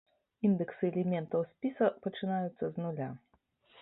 Індэксы элементаў спіса пачынаюцца з нуля.